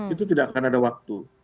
itu tidak akan ada waktu